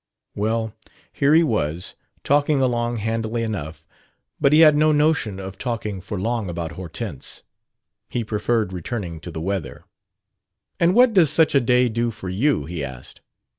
Well, here he was, talking along handily enough. But he had no notion of talking for long about Hortense. He preferred returning to the weather. "And what does such a day do for you?" he asked.